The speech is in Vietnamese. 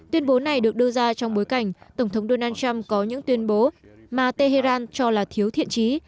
tuyên bố này được đưa ra trong bối cảnh tổng thống donald trump có những tuyên bố mà tehran cho là thiếu thiện trí